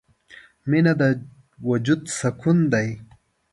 • مینه د وجود سکون دی.